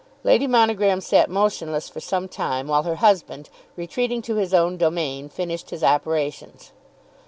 Lady Monogram sat motionless for some time, while her husband, retreating to his own domain, finished his operations.